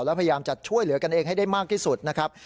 แล้วพยายามจะช่วยเหลือกันเองให้ได้มากที่สุดนะครับ